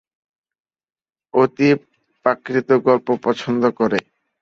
অতিপ্রাকৃত গল্প পছন্দ করে।